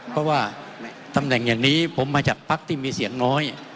เพราะว่าตำแหน่งอย่างนี้ผมมาจากพักที่มีเสียงน้อย